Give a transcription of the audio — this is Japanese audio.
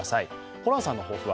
ホランさんの抱負は？